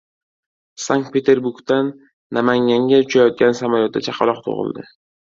Sankt-Peterburgdan Namanganga uchayotgan samolyotda chaqaloq tug‘ildi